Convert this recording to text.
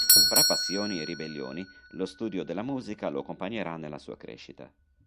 Fra passioni e ribellioni lo studio della musica lo accompagnerà nella sua crescita.